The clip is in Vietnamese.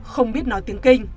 không biết nói tiếng kinh